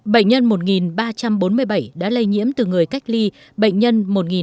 bệnh nhân một ba trăm bốn mươi bảy đã lây nhiễm từ người cách ly bệnh nhân một ba trăm bốn mươi hai